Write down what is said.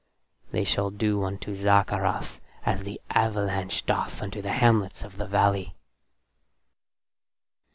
They shall do unto Zaccarath as the avalanche doth unto the hamlets of the valley."